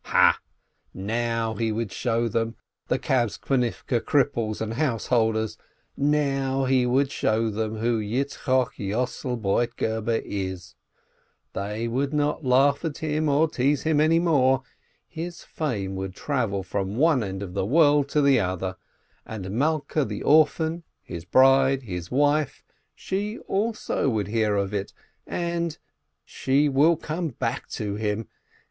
Ha, now he would show them, the Kabtzonivke cripples and householders, now he would show them who Yitz chok Yossel Broitgeber is ! They would not laugh at him or tease him any more ! His fame would travel from one end of the world to the other, and Malkeh the orphan, his bride, his wife, she also would hear of it, and — She will come back to him!